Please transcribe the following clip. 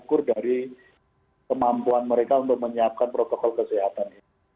untuk melakukan protokol kesehatan